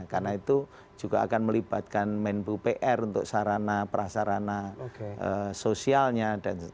karena itu juga akan melibatkan menbu pr untuk sarana perasarana sosialnya